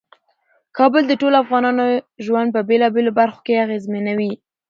کابل د ټولو افغانانو ژوند په بیلابیلو برخو کې اغیزمنوي.